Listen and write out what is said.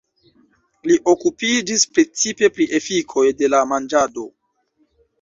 Li okupiĝis precipe pri efikoj de la manĝado.